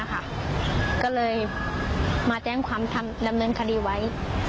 ก็เลยมาแจ้งความดำเนินคดีไว้